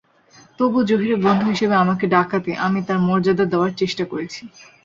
তবু জহিরের বন্ধু হিসেবে আমাকে ডাকাতে আমি তাঁর মর্যাদা দেওয়ার চেষ্টা করেছি।